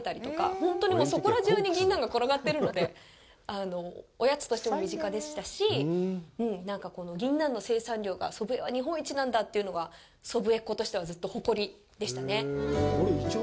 本当に、そこら中にギンナンが転がっているのでおやつとしても身近でしたしギンナンの生産量が祖父江は日本一なんだというのが祖父江っ子としてはずっとほこりでしたね。